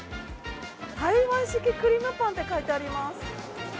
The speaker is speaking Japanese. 台湾式クリームパンって書いてあります。